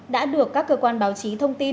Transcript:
đã được các cơ quan báo chí thông tin